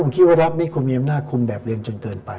ผมคิดว่ารัฐนี้คงมีอำนาจคุมแบบเรียนจนเกินไป